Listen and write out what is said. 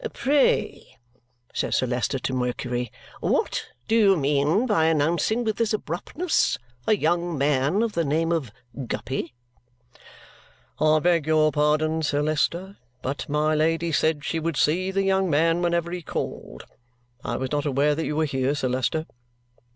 "Pray," says Sir Leicester to Mercury, "what do you mean by announcing with this abruptness a young man of the name of Guppy?" "I beg your pardon, Sir Leicester, but my Lady said she would see the young man whenever he called. I was not aware that you were here, Sir Leicester."